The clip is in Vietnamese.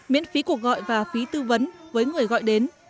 miễn phí cuộc gọi và phí tư vấn với người gọi đến